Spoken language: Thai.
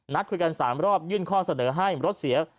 คุยกัน๓รอบยื่นข้อเสนอให้รถเสีย